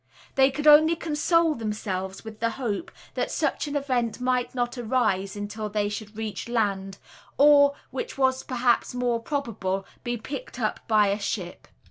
They could only console themselves with the hope that such an event might not arise until they should reach land, or, which was perhaps more probable, be picked up by a ship.